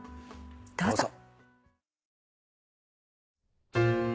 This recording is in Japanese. どうぞ。